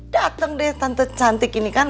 datang deh tante cantik ini kan